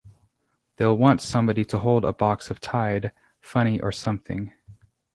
They'll want somebody to hold a box of Tide funny or something.